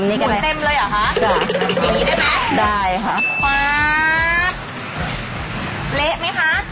อุ๊ยน่ะก็ไม่ทำแล้วดีกว่า